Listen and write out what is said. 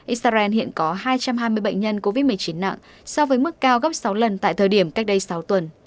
israel hiện có hai trăm hai mươi bệnh nhân covid một mươi chín nặng so với mức cao gấp sáu lần tại thời điểm cách đây sáu tuần